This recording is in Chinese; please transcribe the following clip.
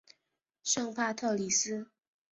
圣帕特里斯。